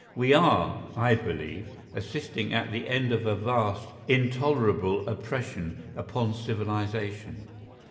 We are, I believe, assisting at the end of a vast, intolerable oppression upon civilisation.